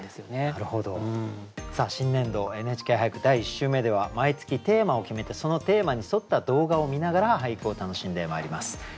第１週目では毎月テーマを決めてそのテーマに沿った動画を観ながら俳句を楽しんでまいります。